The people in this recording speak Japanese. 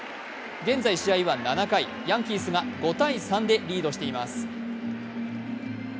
現在試合は７回、ヤンキースが５−３でリードしています。